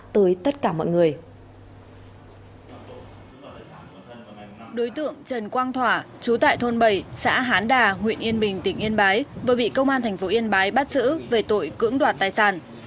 đối tượng trần quang thỏa chú tại thôn bảy xã hán đà huyện yên bình tỉnh yên bái vừa bị công an thành phố yên bái bắt xử về tội cưỡng đoạt tài sản